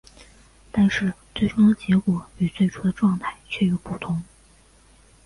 但是最终的结果与最初的状态却又不同。